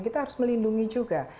kita harus melindungi juga